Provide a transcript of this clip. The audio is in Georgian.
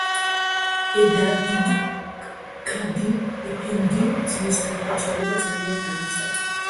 ედადილ ქადინ ეფენდიმ ძმის გარდაცვალება ძალიან განიცადა.